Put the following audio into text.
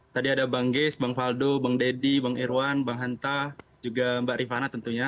tadi ada bang geis bang faldo bang deddy bang irwan bang hanta juga mbak rifana tentunya